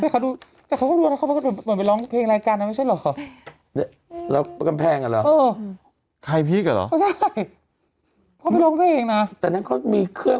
กลับไปร้องเพลงรายการมันไม่ใช่เหรอ